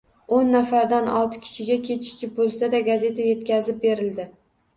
Oʻn nafardan olti kishiga kechikib boʻlsa-da gazeta yetkazib berildi.